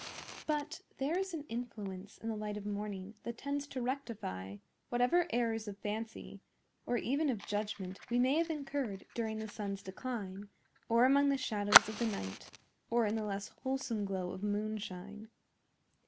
But there is an influence in the light of morning that tends to rectify whatever errors of fancy, or even of judgment, we may have incurred during the sun's decline, or among the shadows of the night, or in the less wholesome glow of moonshine.